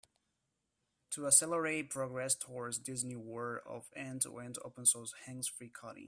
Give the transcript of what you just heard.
To accelerate progress towards this new world of end-to-end open source hands-free coding.